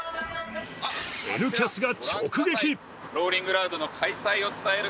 「Ｎキャス」が直撃。